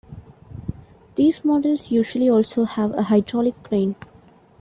These models usually also have a hydraulic crane.